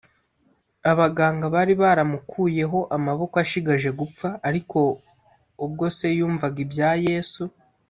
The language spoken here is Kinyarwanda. Abaganga bari baramukuyeho amaboko ashigaje gupfa; ariko ubwo se yumvaga ibya Yesu